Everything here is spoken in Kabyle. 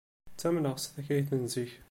Ttamneɣ s takayt n zik.